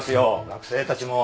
学生たちも。